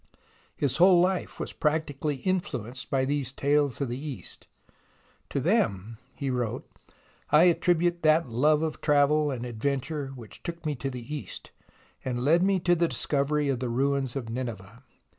His whole life was practically influenced by these tales of the East. " To them," he wrote, " I attribute that love of travel and adventure which took me to the East, and led me to the discovery of the ruins of Nineveh.